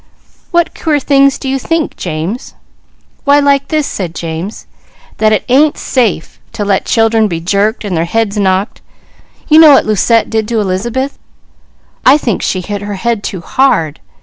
"What queer things do you think, James?" "Why like this," said James. "That it ain't safe to let children be jerked, and their heads knocked. You know what Lucette did to Elizabeth? I think she hit her head too hard.